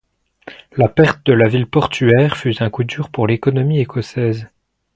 La perte de la ville portuaire fut un coup dur pour l'économie écossaise.